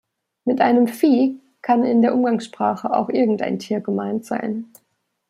Mit einem "Vieh" kann in der Umgangssprache auch irgendein Tier gemeint sein.